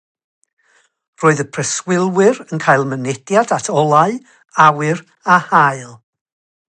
Roedd y preswylwyr yn cael mynediad at olau, awyr a haul.